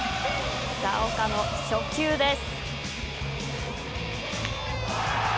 岡の初球です。